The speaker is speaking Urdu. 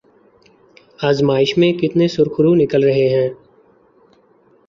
آزمائش میں کتنے سرخرو نکل رہے ہیں۔